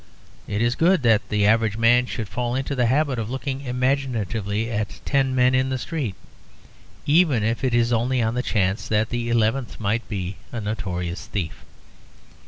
It is good that the average man should fall into the habit of looking imaginatively at ten men in the street even if it is only on the chance that the eleventh might be a notorious thief.